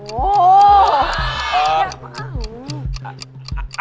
โอ้โฮยากมาก